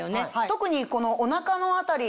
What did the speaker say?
特にこのお腹の辺り。